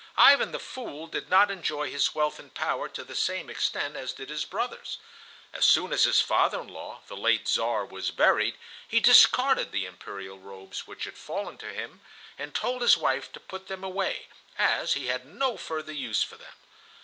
Ivan the Fool did not enjoy his wealth and power to the same extent as did his brothers. As soon as his father in law, the late Czar, was buried, he discarded the Imperial robes which had fallen to him and told his wife to put them away, as he had no further use for them.